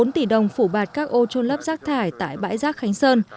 một mươi bốn tỷ đồng phủ bạt các ô trôn lớp rác thải tại bãi rác khánh sơn